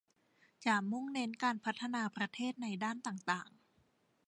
จะมุ่งเน้นการพัฒนาประเทศในด้านต่างต่าง